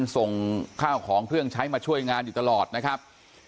ส่งข้าวของเครื่องใช้มาช่วยงานอยู่ตลอดนะครับ